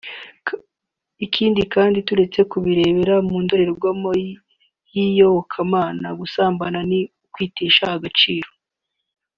Ikindi kandi turetse no Kubirebera mu ndorerwamo y’iyobokamana gusambana ni ukwitesha agaciro